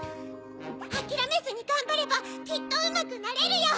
あきらめずにがんばればきっとうまくなれるよ！